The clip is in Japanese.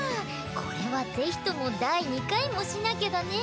これは是非とも第２回もしなきゃだね。